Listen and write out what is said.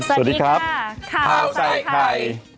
สวัสดีครับข้าวใส่ไข่